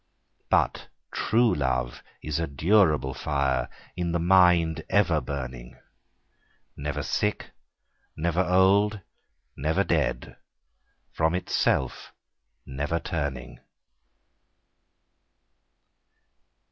But true love is a durable fire, In the mind ever burning, Never sick, never old, never dead, From itself never turning.